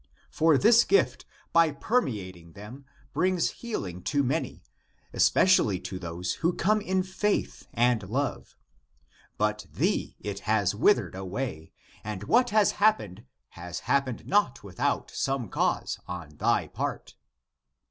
For this gift, by permeating them, brings healing to many, especially to those who come in faith and love ; but thee it has withered away, and what has happened has happened not without some cause (on thy part.)